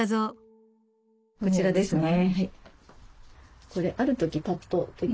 こちらですね。